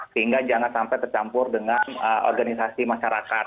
sehingga jangan sampai tercampur dengan organisasi masyarakat